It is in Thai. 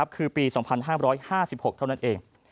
คือปี๒๕๕๖เท่านั้นเอง